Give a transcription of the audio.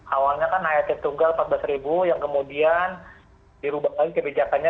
awalnya kan aet tunggal rp empat belas yang kemudian dirubah lagi kebijakannya